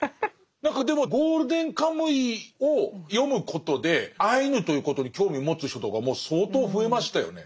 何かでも「ゴールデンカムイ」を読むことでアイヌということに興味を持つ人とかも相当増えましたよね。